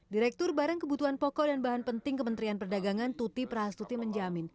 direktur barang kebutuhan pokok dan bahan penting kementerian perdagangan tuti prahastuti menjamin